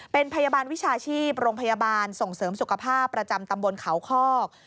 เป็นพยาบาลวิชาชีพโรงพยาบาลส่งเสริมสุขภาพประจำตำบลเขาคอก